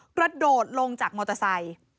กระโดดลงจากมอเตอร์ไซค์